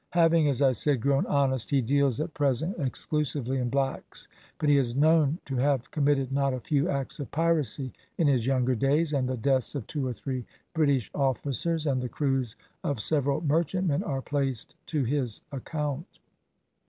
Having, as I said, grown honest, he deals at present exclusively in blacks, but he is known to have committed not a few acts of piracy in his younger days, and the deaths of two or three British officers, and the crews of several merchantmen, are placed to his account."